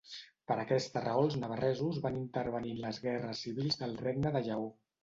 Per aquesta raó els navarresos van intervenir en les guerres civils del Regne de Lleó.